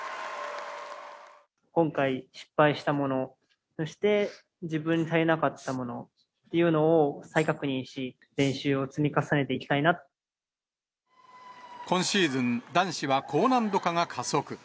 今回、失敗したもの、そして自分に足りなかったものというのを再確認し、今シーズン、男子は高難度化が加速。